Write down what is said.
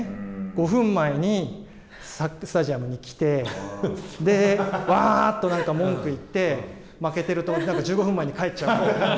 ５分前にスタジアムに来てわあっとなんか文句言って、負けてると１５分前に帰っちゃう。